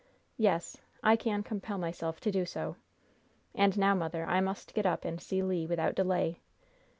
"Yes, I can compel myself to do so. And now, mother, I must get up and see Le, without delay.